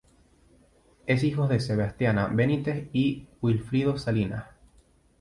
Es hijo de Sebastiana Benítez y Wilfrido Salinas.